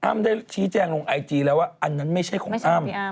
ได้ชี้แจงลงไอจีแล้วว่าอันนั้นไม่ใช่ของอ้ำ